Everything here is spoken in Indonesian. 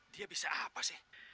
dia bisa apa sih